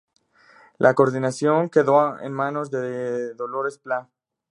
La coordinación quedó en manos de Dolores Plá.